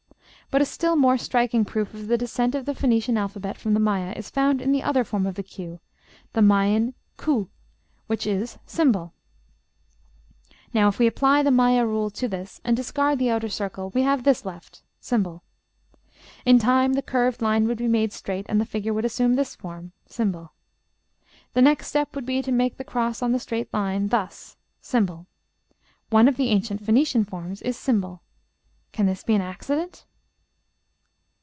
But a still more striking proof of the descent of the Phoenician alphabet from the Maya is found in the other form of the q, the Maya cu, which is ###. Now, if we apply the Maya rule to this, and discard the outside circle, we have this left, ###. In time the curved line would be made straight, and the figure would assume this form, ###; the next step would be to make the cross on the straight line, thus, ###. One of the ancient Phoenician forms is ###. Can all this be accident?